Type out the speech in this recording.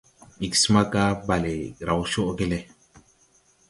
Ig smaga, Bale raw coʼge le.